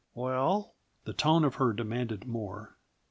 "Well?" The tone of her demanded more.